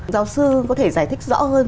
giáo sư có thể giải thích rõ hơn